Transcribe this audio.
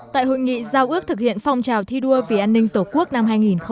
tại hội nghị giao ước thực hiện phong trào thi đua vì an ninh tổ quốc năm hai nghìn hai mươi bốn